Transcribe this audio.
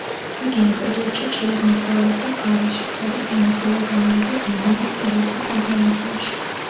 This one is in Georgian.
იგი ამ პერიოდში ხშირად მოგზაურობდა პარიზში, სადაც მონაწილეობა მიიღო დევნილ მწერალთა კონფერენციაში.